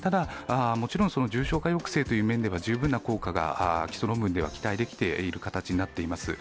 もちろん重症化抑制という面では十分な効果が基礎論文では期待できている形になっています。